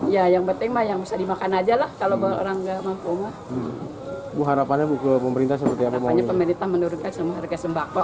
buat orang orang kecil seperti itu saja